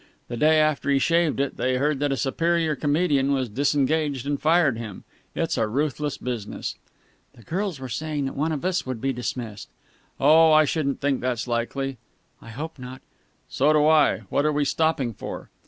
The day after he shaved it, they heard that a superior comedian was disengaged and fired him. It's a ruthless business." "The girls were saying that one of us would be dismissed." "Oh, I shouldn't think that's likely." "I hope not." "So do I. What are we stopping for?"